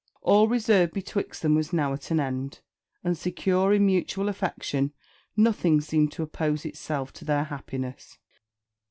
All reserve betwixt them was now at an end; and, secure in mutual affection, nothing seemed to oppose itself to their happiness.